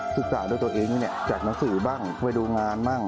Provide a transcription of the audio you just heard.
ศึกษาด้วยตัวเองจากหนังสือบ้างช่วยดูงานบ้าง